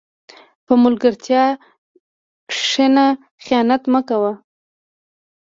په ملګرتیا کښېنه، خیانت مه کوه.